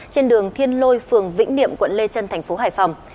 trên đường thiên lôi phường vĩnh niệm quận lê trân thành phố hải phòng